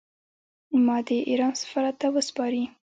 ما دې د ایران سفارت ته وسپاري.